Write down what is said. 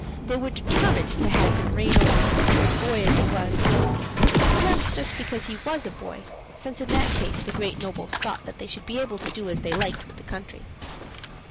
They were determined to have him reign over them, boy as he was perhaps just because he was a boy, since in that case the great nobles thought they should be able to do as they liked with the country.